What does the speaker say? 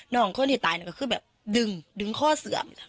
น้องขนที่ตายก็คือดึงดึงข้อเสื่อม